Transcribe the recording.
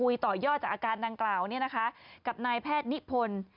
ต่อยอดจากอาการดังกล่าวเนี่ยนะคะกับนายแพทย์นิพนธ์